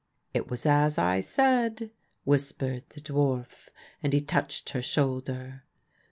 " It was as I said," whispered the dwarf, and he touched her shoulder.